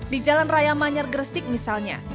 di jalan raya manyar gresik misalnya